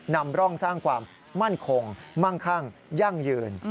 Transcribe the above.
นำร่องสร้างความมั่นคงมั่งคั่งยั่งยืน